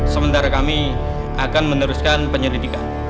sementara kami akan meneruskan penyelidikan